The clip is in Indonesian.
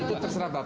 itu terserah bapak